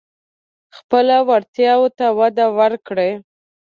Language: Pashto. خپلو وړتیاوو ته وده ورکړئ.